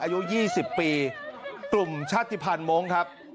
อายุ๒๐ปีกลุ่มชาติภัณฑ์มงค์ครับ